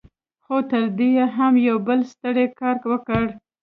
خو تر دې يې هم يو بل ستر کار وکړ.